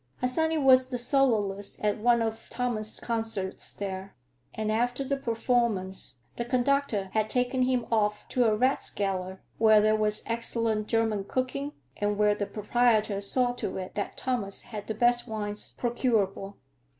Harsanyi was the soloist at one of Thomas's concerts there, and after the performance the conductor had taken him off to a Rathskeller where there was excellent German cooking, and where the proprietor saw to it that Thomas had the best wines procurable.